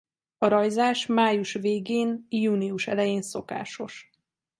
A rajzás május végén–június elején szokásos.